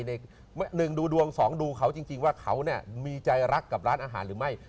หนึ่งดูดวงสองดูเขาจริงว่าเขามีใจรักกับร้านอาหารหรือไม่